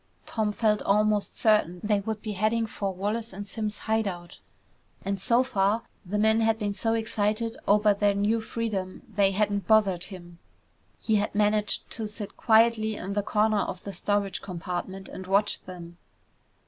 Tom felt almost certain they would be heading for Wallace and Simms' hide out. And so far, the men had been so excited over their new freedom they hadn't bothered him. He had managed to sit quietly in the corner of the storage compartment and watch them.